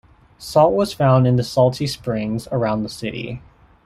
Salt was found in the salty springs around the city.